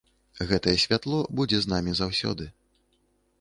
Гэтае святло будзе з намі заўсёды.